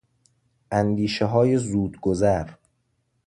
اندیشههای زود گذر